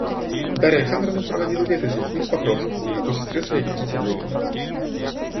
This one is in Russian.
Дарья Александровна проводила лето с детьми в Покровском, у сестры своей Кити Левиной.